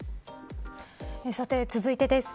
さて、続いてです。